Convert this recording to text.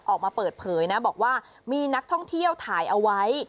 ออกมาเปิดเผยนะบอกว่ามีนักท่องเที่ยวถ่ายเอาไว้